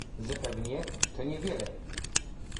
"Zapewnie, to nie wiele."